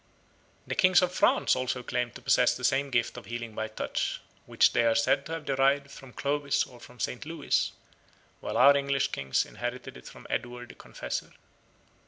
The kings of France also claimed to possess the same gift of healing by touch, which they are said to have derived from Clovis or from St. Louis, while our English kings inherited it from Edward the Confessor.